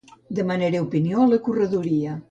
Demanaré opinió a la corredoria